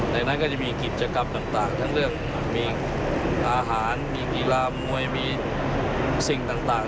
ในนั้นก็จะมีกิจกรรมต่างทั้งเรื่องมีอาหารมีกีฬามวยมีสิ่งต่าง